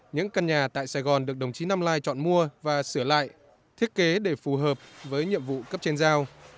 những căn nhà tại sài gòn được đồng chí năm lai chọn mua và sửa lại thiết kế để phù hợp với nhiệm vụ cấp trên giao